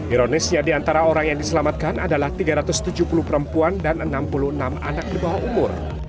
ironisnya diantara orang yang diselamatkan adalah tiga ratus tujuh puluh perempuan dan enam puluh enam anak di bawah umur